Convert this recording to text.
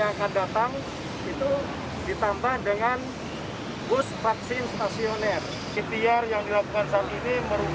baik gerai stasioner berskala besar